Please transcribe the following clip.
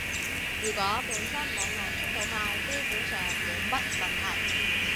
如果本身網絡速度快，基本上冇乜問題